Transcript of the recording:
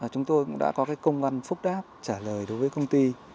chúng tôi cũng đã có công văn phúc đáp trả lời đối với công ty